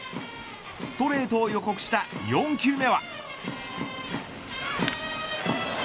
ストレートを予告した４球目は。